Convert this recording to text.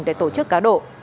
để tổ chức cá độ